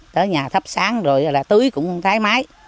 tới nhà thắp sáng rồi là tưới cũng thái mái